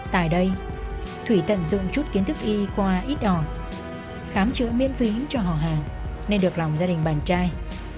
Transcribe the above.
tại đây thủy tận dụng chút kiến thức y khoa ít đỏ khám chữa miễn phí cho họ hàng nên được lòng gia đình bạn trai